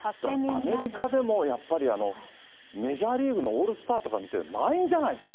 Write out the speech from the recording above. アメリカでもやっぱり、メジャーリーグのオールスターとか見てると、満員じゃないですか。